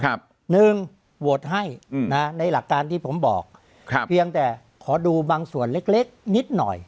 หนึ่งโหวตให้อืมนะฮะในหลักการที่ผมบอกครับเพียงแต่ขอดูบางส่วนเล็กเล็กนิดหน่อย